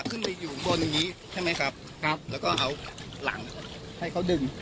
ขึ้นไปอยู่บนอย่างงี้ใช่ไหมครับครับแล้วก็เอาหลังให้เขาดึง